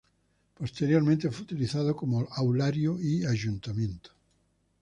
Posteriormente fue utilizado como aulario y Ayuntamiento.